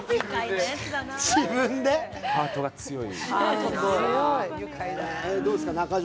ハートが強い。